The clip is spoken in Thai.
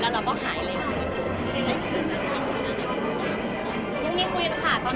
เมื่ออะไรคุยกับมัน